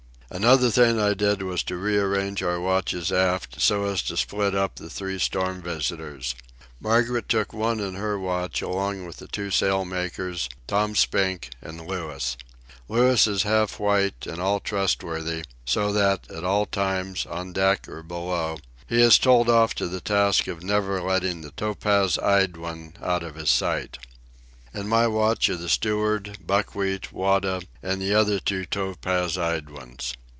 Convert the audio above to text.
Another thing I did was to rearrange our watches aft so as to split up the three storm visitors. Margaret took one in her watch, along with the two sail makers, Tom Spink, and Louis. Louis is half white, and all trustworthy, so that, at all times, on deck or below, he is told off to the task of never letting the topaz eyed one out of his sight. In my watch are the steward, Buckwheat, Wada, and the other two topaz eyed ones.